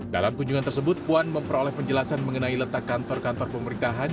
dalam kunjungan tersebut puan memperoleh penjelasan mengenai letak kantor kantor pemerintahan